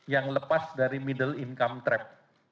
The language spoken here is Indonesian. yang lepas dari middle income trap